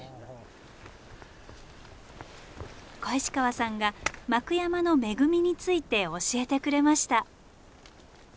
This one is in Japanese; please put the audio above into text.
小石川さんが幕山の恵みについて教えてくれました。